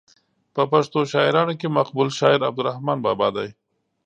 په پښتو شاعرانو کې مقبول شاعر عبدالرحمان بابا دی.